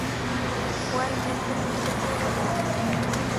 Igualmente pido por favor